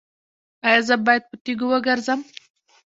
ایا زه باید په تیږو وګرځم؟